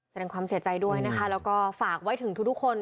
แสดงความเสียใจด้วยนะคะแล้วก็ฝากไว้ถึงทุกคน